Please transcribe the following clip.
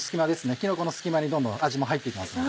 きのこの隙間にどんどん味も入って行きますので。